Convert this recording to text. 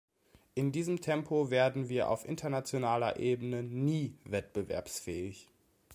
In diesem Tempo werden wir auf internationaler Ebene nie wettbewerbsfähig.